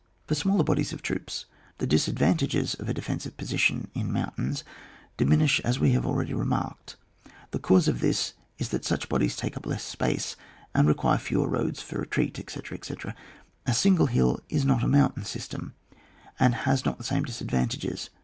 For smaller bodies of troops, the dis advantages of a defensive position in mountains diminish as we have already remarked. The cause of this is, that such bodies take up less space, and re qtdre fewer roads for retreat, etc., etc. A single hill is not a mountain system, and has not the same disadvantages.